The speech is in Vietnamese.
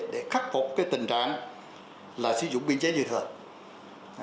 để khắc phục cái tình trạng là sử dụng biên chế dự thừa